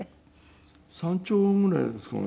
３兆ぐらいですかね？